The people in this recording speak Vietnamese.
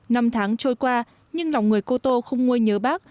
năm tháng trôi qua nhưng lòng người cô tô không nguôi nhớ bác